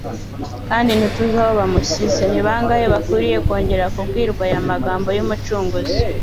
kandi ntituzi aho bamushyize" Ni bangahe bakwiriye kongera kubwirwa aya magambo y'Umucunguzi